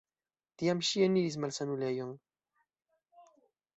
Tiam ŝi eniris malsanulejon.